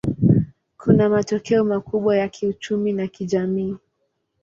Kuna matokeo makubwa ya kiuchumi na kijamii.